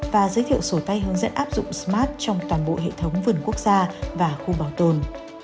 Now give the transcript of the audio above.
và giới thiệu sổ tay hướng dẫn áp dụng smart trong toàn bộ hệ thống vườn quốc gia và khu bảo tồn